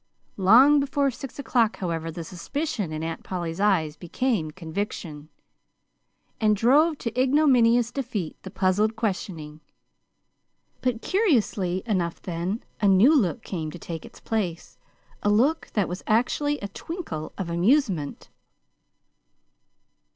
Long before six o'clock, however, the suspicion in Aunt Polly's eyes became conviction, and drove to ignominious defeat the puzzled questioning. But, curiously enough then, a new look came to take its place, a look that was actually a twinkle of amusement.